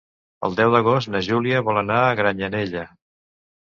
El deu d'agost na Júlia vol anar a Granyanella.